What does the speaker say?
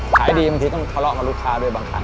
ขายดีบางทีต้องทะเลาะกับลูกค้าด้วยบางครั้ง